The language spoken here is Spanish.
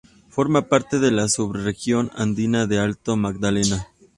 Forma parte de la subregión andina de Alto Magdalena.